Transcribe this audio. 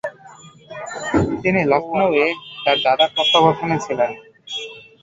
তিনি লখনউয়ে তার দাদার তত্ত্বাবধানে ছিলেন।